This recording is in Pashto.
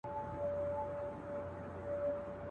يو څه ځواني وه، څه مستي وه، څه موسم د ګُلو.